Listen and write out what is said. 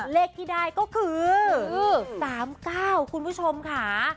เลขที่ได้ก็คือ๓๙คุณผู้ชมค่ะ